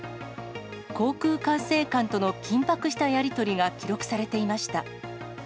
航空管制官との緊迫したやり取りが記録されていました。